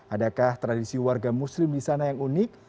adakah tradisi warga muslim di sana yang unik